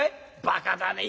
バカだね。